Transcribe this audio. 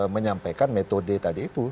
menyampaikan metode tadi itu